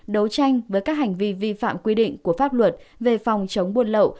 đấu tranh với các hành vi vi phạm quy định của pháp luật về phòng chống buôn lậu